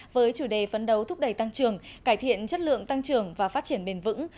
với chủ đề phấn đấu thúc đẩy tăng trưởng cải thiện chất lượng tăng trưởng và phát triển bền vững